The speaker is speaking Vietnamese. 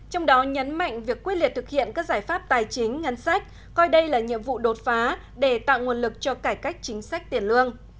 trong đó nhấn mạnh việc quyết liệt thực hiện các giải pháp tài chính ngân sách coi đây là nhiệm vụ đột phá để tạo nguồn lực cho cải cách chính sách tiền lương